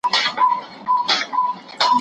ټولنيز واقعيت به روښانه سي.